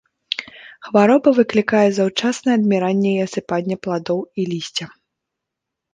Хвароба выклікае заўчаснае адміранне і асыпанне пладоў і лісця.